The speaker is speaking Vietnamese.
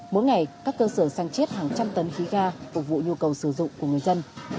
mỗi ngày các cơ sở sang chiết hàng trăm tấn khí ga phục vụ nhu cầu sử dụng của người dân